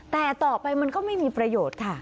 แต่ต่อไปมันก็ไม่มีประโยชน์ค่ะ